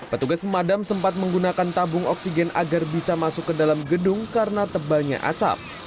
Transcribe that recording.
petugas pemadam sempat menggunakan tabung oksigen agar bisa masuk ke dalam gedung karena tebalnya asap